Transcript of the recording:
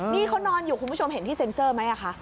นี่เขานอนอยู่คุณผู้ชมเห็นที่เซ็นเซอร์ไหมคะ